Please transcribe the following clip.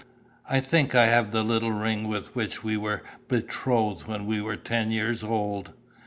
I think I have the little ring with which we were betrothed when we were ten years old.